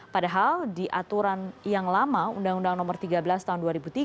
padahal di aturan yang lama undang undang nomor tiga belas tahun dua ribu tiga